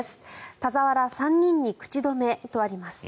田澤ら３人に口止めとあります。